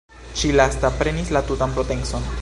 Ĉi lasta prenis la tutan potencon.